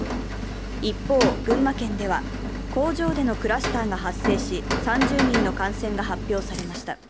一方、群馬県では工場でのクラスターが発生し、３０人の感染が発表されました。